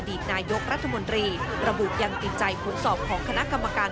ตนายกรัฐมนตรีระบุยังติดใจผลสอบของคณะกรรมการ